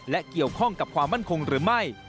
และเกี่ยวข้องกับความมั่นคงหรือไม่